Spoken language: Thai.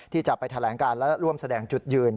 ที่จะไปแถลงการและร่วมแสดงจุดยืน